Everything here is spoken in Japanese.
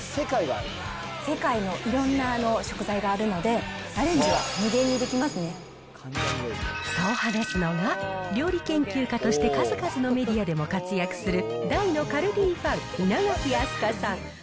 世界のいろんな食材があるので、そう話すのが、料理研究家として数々のメディアでも活躍する大のカルディファン、稲垣飛鳥さん。